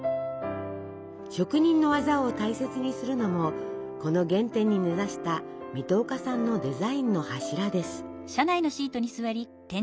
職人の技を大切にするのもこの原点に根ざした水戸岡さんのデザインの柱です。